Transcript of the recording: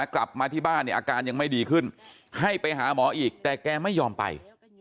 กลับมาที่บ้านเนี่ยอาการยังไม่ดีขึ้นให้ไปหาหมออีกแต่แกไม่ยอมไป